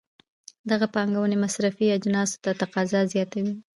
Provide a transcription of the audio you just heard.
دغه پانګونې مصرفي اجناسو ته تقاضا زیاتوي.